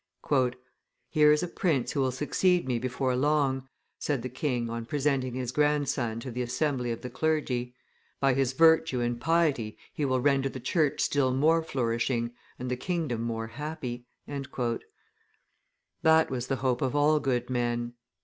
"Here is a prince who will succeed me before long," said the king on presenting his grandson to the assembly of the clergy; "by his virtue and piety he will render the church still more flourishing, and the kingdom more happy." That was the hope of all good men.